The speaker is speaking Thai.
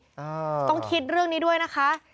อ่าต้องคิดเรื่องนี้ด้วยนะคะ